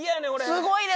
すごいで！